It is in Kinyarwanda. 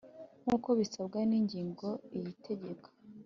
nkuko bisabwa n ingingo iyi tegeka